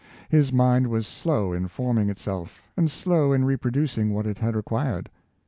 His mind was slow in forming itself, and slow in reproducing what it had acquired.